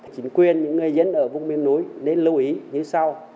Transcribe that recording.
chính quyền những người dân ở vùng miền núi nên lưu ý như sau